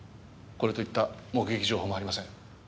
これといった目撃情報もありません。